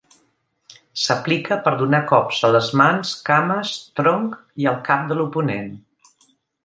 S'aplica per donar cops a les mans, cames, tronc i al cap de l'oponent.